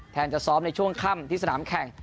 จะซ้อมในช่วงค่ำที่สนามแข่ง